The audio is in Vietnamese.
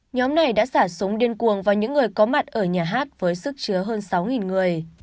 nhóm này đã xả súng điên cuồng vào những người có mặt ở nhà hát với sức chứa hơn sáu người